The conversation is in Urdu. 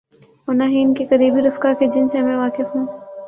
اورنہ ہی ان کے قریبی رفقا کی، جن سے میں واقف ہوں۔